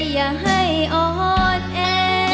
อย่าให้อ่อนแอ